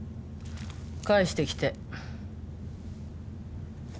返してきて。